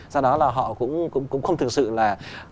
do đó là họ cũng không thực sự là